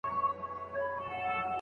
ایا هغوی ګټور کتابونه لولي؟